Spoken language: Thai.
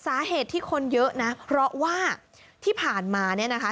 สาเหตุที่คนเยอะนะเพราะว่าที่ผ่านมาเนี่ยนะคะ